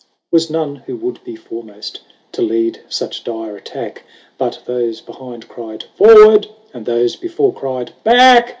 L. Was none who would be foremost To lead such dire attack ; But those behind cried " Forward !" And those before cried " Back